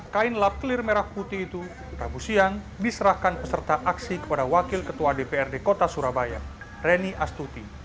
kain lap clear merah putih itu rabu siang diserahkan peserta aksi kepada wakil ketua dprd kota surabaya reni astuti